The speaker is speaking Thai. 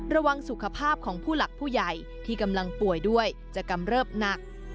ระวังสุขภาพของผู้หลักผู้ใหญ่ที่กำลังป่วยด้วยจะกำเริบหนัก